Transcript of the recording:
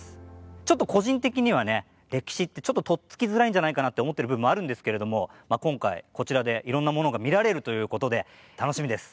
ちょっと個人的にはね歴史ってちょっととっつきづらいんじゃないかなって思ってる部分もあるんですけれども今回こちらでいろんなものが見られるということで楽しみです。